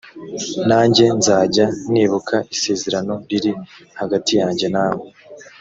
nanjye nzajya nibuka isezerano riri hagati yanjye nawe